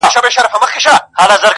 • د دې مبارکې ورځي -